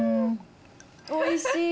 おいしい。